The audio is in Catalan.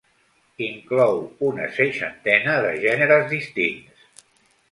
Inclou una seixantena de gèneres distints.